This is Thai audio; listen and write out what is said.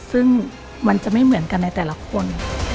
ซึ่งมันจะไม่เหมือนกันในแต่ละคน